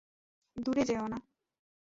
দূরে যেও না।